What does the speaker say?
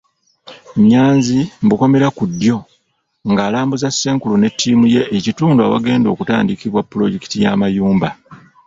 Nyanzi ( ku ddyo) nga alambuza Ssenkulu ne ttiimu ye ekitundu awagenda okutandikibwa pulojekiti y’amayumba.